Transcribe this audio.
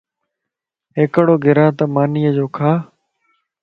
ھڪڙو گراته مانيَ جو کا